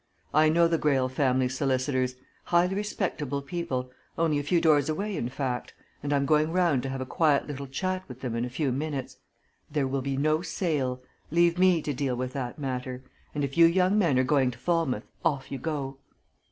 "I know the Greyle family solicitors highly respectable people only a few doors away, in fact and I'm going round to have a quiet little chat with them in a few minutes. There will be no sale! Leave me to deal with that matter and if you young men are going to Falmouth, off you go!"